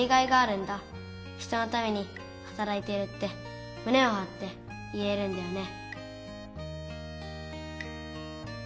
人のためにはたらいてるってむねをはって言えるんだよね。